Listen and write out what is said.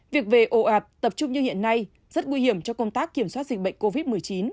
việc về ồ ạt tập trung như hiện nay rất nguy hiểm cho công tác kiểm soát dịch bệnh covid một mươi chín